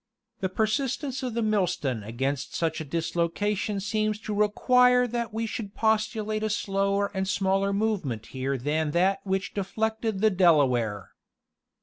The persistence of the Millstone against such a dislocation seems to require that we should postulate a slower and smaller move ' ment here than that which deflected the Delaware.